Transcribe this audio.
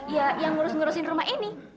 ya yang ngurus ngurusin rumah ini